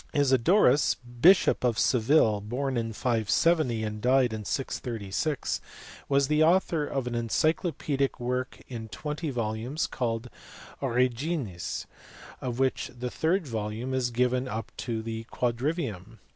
Isidorus, bishop of Seville, born in 570 and ALCUIN. 137 died in 636, was the author of an encyclopaedic work in 20 volumes called Origines, of which the third volume is given up to the quadrivium.